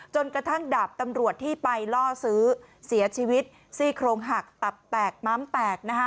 กระทั่งดาบตำรวจที่ไปล่อซื้อเสียชีวิตซี่โครงหักตับแตกม้ามแตกนะคะ